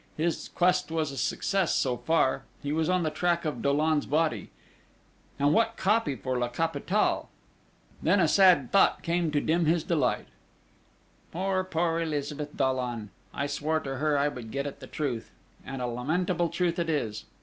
His quest was a success so far: he was on the track of Dollon's body! And what copy for La Capitale! Then a sad thought came to dim his delight: "Poor, poor Elizabeth Dollon! I swore to her I would get at the truth and a lamentable truth it is!